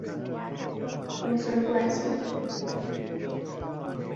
白鬼笔可能会与某些特定的树种形成菌根共生关系。